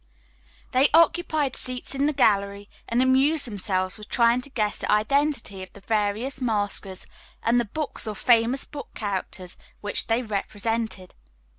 They occupied seats in the gallery and amused themselves with trying to guess the identity of the various maskers and the books or famous book characters which they represented.